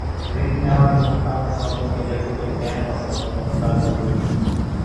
ঋণ নেওয়ার নিয়মকানুন সম্পর্কে লেখকের জ্ঞান এবং সচেতনতা জরুরি।